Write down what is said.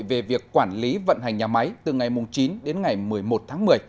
về việc quản lý vận hành nhà máy từ ngày chín đến ngày một mươi một tháng một mươi